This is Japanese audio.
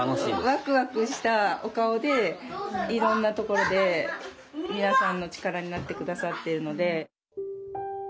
ワクワクしたお顔でいろんなところで皆さんの力になって下さっているので。